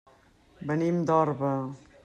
Venim d'Orba.